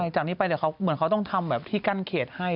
จากนี้ไปเดี๋ยวเขาเหมือนเขาต้องทำแบบที่กั้นเขตให้